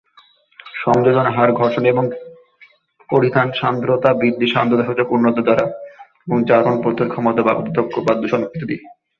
সংযোজন হ্রাস ঘর্ষণ এবং পরিধান, সান্দ্রতা বৃদ্ধি, সান্দ্রতা সূচক উন্নত, জারা এবং জারণ প্রতিরোধ ক্ষমতা, বার্ধক্য বা দূষণ ইত্যাদি।